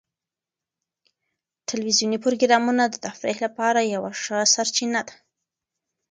ټلویزیوني پروګرامونه د تفریح لپاره یوه ښه سرچینه ده.